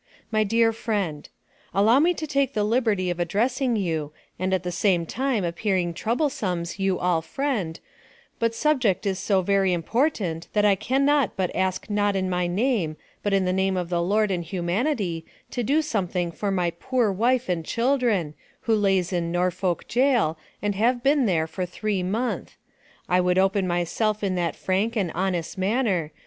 MY DEAR FRIEND: Allow me to take the liberty of addressing you and at the same time appearing troublesomes you all friend, but subject is so very important that i can not but ask not in my name but in the name of the Lord and humanity to do something for my Poor Wife and children who lays in Norfolk Jail and have Been there for three month i Would open myself in that frank and hones manner.